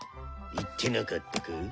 言ってなかったか？